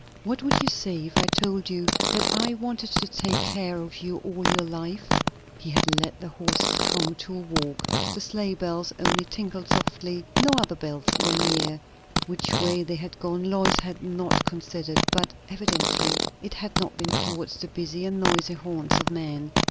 "What would you say if I told you that I wanted to take care of you all your life?" He had let the horses come to a walk; the sleigh bells only tinkled softly; no other bells were near. Which way they had gone Lois had not considered; but evidently it had not been towards the busy and noisy haunts of men.